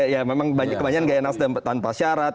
ya memang kebanyakan gaya nasdam tanpa syarat